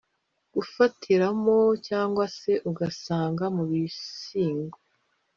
gufatiramo cyangwa se ugasanga mu bisigo